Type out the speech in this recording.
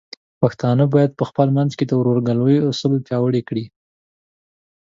پښتانه بايد په خپل منځ کې د ورورګلوۍ اصول پیاوړي کړي.